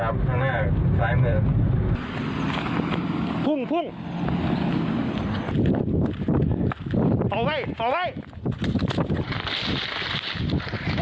พุ่ง